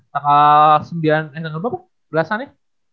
tanggal sembilan eh tanggal berapa tuh belasan ya